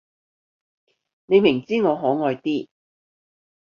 你明知我可愛啲